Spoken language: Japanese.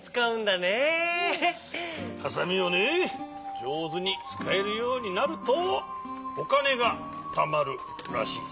じょうずにつかえるようになるとおかねがたまるらしいぞ。